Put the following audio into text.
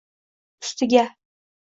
ustiga